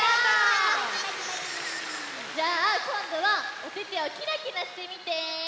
じゃあこんどはおててをキラキラしてみて。